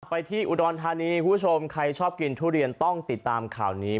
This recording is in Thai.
ไปที่อุดรธานีคุณผู้ชมใครชอบกินทุเรียนต้องติดตามข่าวนี้